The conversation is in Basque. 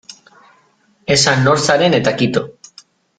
Esan nor zaren eta kito.